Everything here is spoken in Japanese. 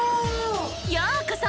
ようこそ！